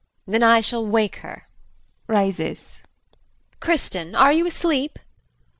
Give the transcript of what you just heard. JULIE. Then I shall wake her. [Rises]. Kristin, are you asleep?